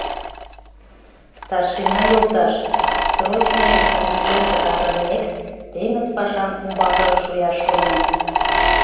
— Старшина йолташ, срочныйым служитлен пытарымек, теҥыз пашам умбакыже шуяш шонем.